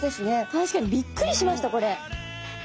確かにびっくりしましたこれ。